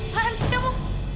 kapan sih kamu